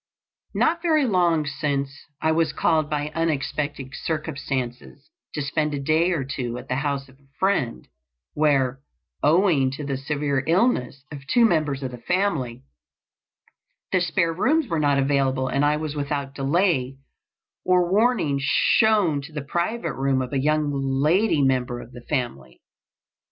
Not very long since, I was called by unexpected circumstances to spend a day or two at the house of a friend, where, owing to the severe illness of two members of the family, the spare rooms were not available and I was without delay or warning shown to the private room of a young lady member of the family.